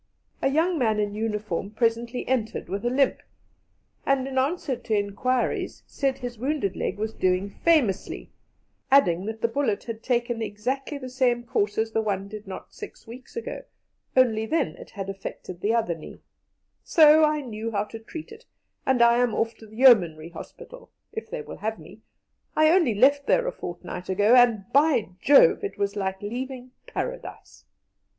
A young man in uniform presently entered with a limp, and, in answer to inquiries, said his wounded leg was doing famously, adding that the bullet had taken exactly the same course as the one did not six weeks ago only then it had affected the other knee; "so I knew how to treat it, and I am off to the Yeomanry Hospital, if they will have me. I only left there a fortnight ago, and, by Jove! it was like leaving Paradise!"